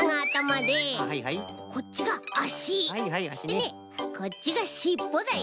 でねこっちがしっぽだよ。